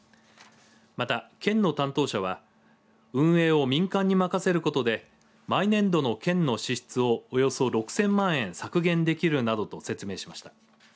また県の担当者は運営を民間に任せることで毎年度の県の支出をおよそ６０００万円削減できるなどと説明しました。